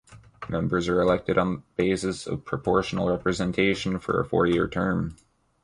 Members are elected on the basis of proportional representation for a four-year term.